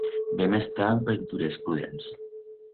Vem estar aventurers prudents.